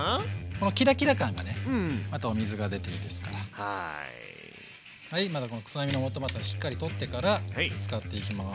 このキラキラ感がねまたお水が出ていいですからはいこのくさみのもとまたしっかり取ってから使っていきます。